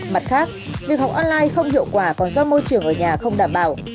mặt khác việc học online không hiệu quả còn do môi trường ở nhà không đảm bảo